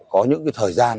có những thời gian